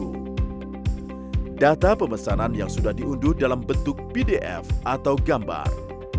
untuk penukaran perubahan dan penggunaan uang yang sudah diunduh dalam bentuk pdf atau gambar